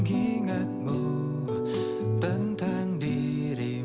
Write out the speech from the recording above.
gue gak bau tisu